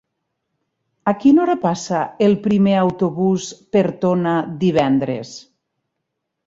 A quina hora passa el primer autobús per Tona divendres?